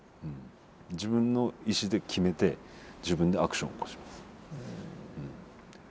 自分の意志で決めて自分でアクション起こします。